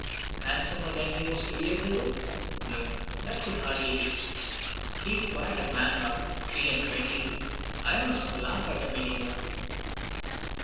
Handsomer than he was two years ago? No, that could hardly be. He is quite a man now. Three and twenty! I must not laugh at him any more."